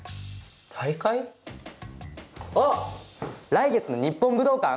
来月の日本武道館？